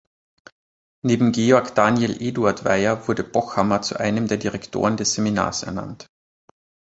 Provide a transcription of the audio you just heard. Neben Georg Daniel Eduard Weyer wurde Pochhammer zu einem der Direktoren des Seminars ernannt.